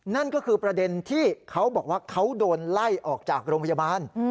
นั่นก็คือประเด็นที่เขาบอกว่าเขาโดนไล่ออกจากโรงพยาบาล